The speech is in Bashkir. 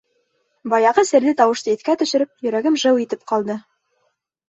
Баяғы серле тауышты иҫкә төшөрөп, йөрәгем жыу итеп ҡалды.